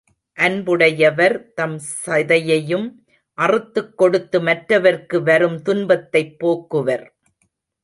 அன்புடையவர் தம் சதையையும் அறுத்துக் கொடுத்து மற்றவர்க்கு வரும் துன்பத்தைப் போக்குவர்.